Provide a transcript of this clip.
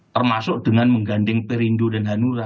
termasuk dengan menggandeng perindo dan hanura